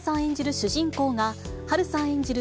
主人公が、波瑠さん演じる